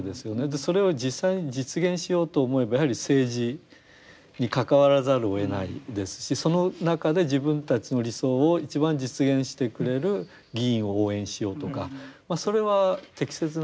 それを実際に実現しようと思えばやはり政治に関わらざるをえないですしその中で自分たちの理想を一番実現してくれる議員を応援しようとかまあそれは適切なしかたであれば